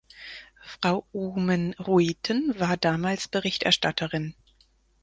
Frau Oomen-Ruijten war damals Berichterstatterin.